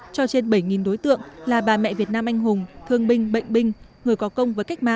cho trên bảy đối tượng là bà mẹ việt nam anh hùng thương binh bệnh binh